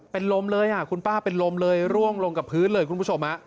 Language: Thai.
เป็นลมเลยคุณป้าเป็นลมเลยร่วงลงกับพื้นเลยคุณผู้ชม